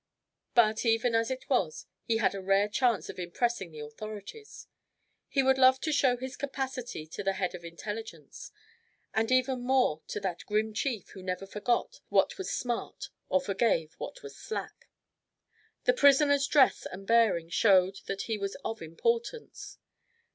But even as it was, he had a rare chance of impressing the authorities. He would love to show his capacity to the head of the Intelligence, and even more to that grim chief who never forgot what was smart, or forgave what was slack. The prisoner's dress and bearing showed that he was of importance.